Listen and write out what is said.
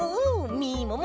みもも。